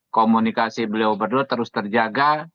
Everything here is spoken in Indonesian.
komunikasi beliau berdua terus terjaga